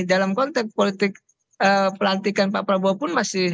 dalam konteks politik pelantikan pak prabowo pun masih